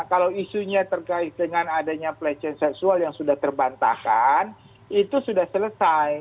kalau isunya terkait dengan adanya pelecehan seksual yang sudah terbantahkan itu sudah selesai